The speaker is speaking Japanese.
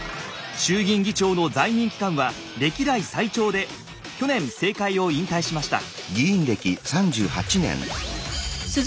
衆議院議長の在任期間は歴代最長で去年政界を引退しました。